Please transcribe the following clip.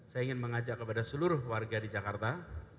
saya ingin mengajak kepada seluruh warga di jakarta